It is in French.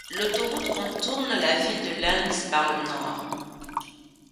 L'autoroute contourne la ville de Lens par le nord.